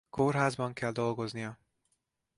Kórházban kell dolgoznia.